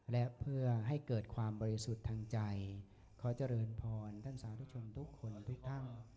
และเพื่อให้เกิดความบริสุทธิ์ทางใจขอเจริญพรท่านสาธุชนทุกคนทุกท่าน